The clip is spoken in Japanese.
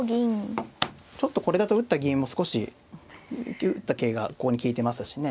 ちょっとこれだと打った銀も少し打った桂がここに利いてますしね。